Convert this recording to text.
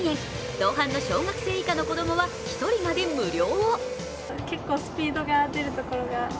同伴の小学生以下の子供は１人まで無料。